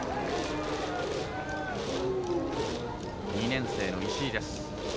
２年生の石井です。